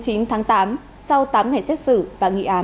sau tám ngày xét xử và nghị án